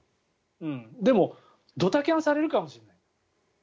でもドタキャンされるかもしれない。